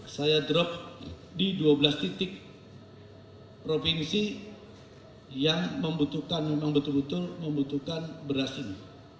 saya drop di dua belas titik provinsi yang membutuhkan memang betul betul membutuhkan beras ini